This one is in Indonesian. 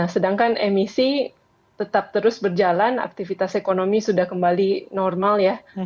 sedangkan emisi tetap terus berjalan aktivitas ekonomi sudah kembali normal ya